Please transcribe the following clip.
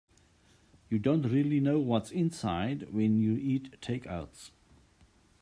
You don't really know what's inside when you eat takeouts.